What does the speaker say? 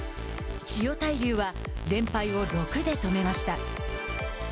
千代大龍は連敗を６で止めました。